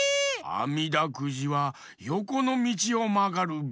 あみだくじはよこのみちをまがるべし！